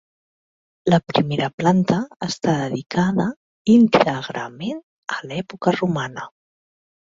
La primera planta està dedicada íntegrament a l'època romana.